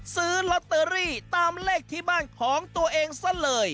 ซื้อลอตเตอรี่ตามเลขที่บ้านของตัวเองซะเลย